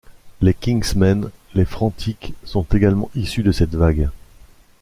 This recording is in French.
Les Kingsmen, les Frantics, sont également issus de cette vague.